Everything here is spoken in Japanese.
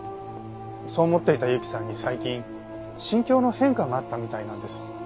そう思っていた由紀さんに最近心境の変化があったみたいなんです。